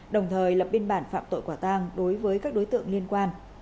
đồng thời lập biên bản phạm tội quả tang đối với các đối tượng liên quan